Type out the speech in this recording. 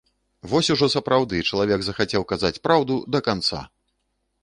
Вось ужо сапраўды чалавек захацеў казаць праўду да канца!